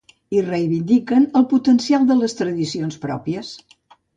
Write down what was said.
I reivindiquen el potencial de les tradicions pròpies.